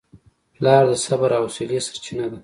پلار د صبر او حوصلې سرچینه ده.